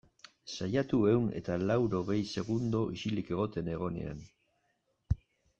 Saiatu ehun eta laurogei segundo isilik egoten, egonean.